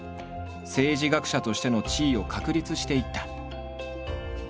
政治学者としての地位を確立していった。